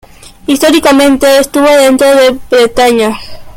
Históricamente estuvo dentro de Bretaña.